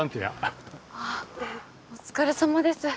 ああお疲れさまです。